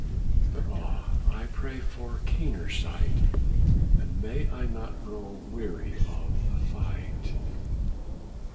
But ah I pray for keener sight, And may I not grow weary of the fight.